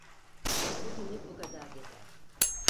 Bugünlük bu kadar yeter.